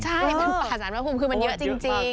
ใช่มันป่าสารพระภูมิคือมันเยอะจริง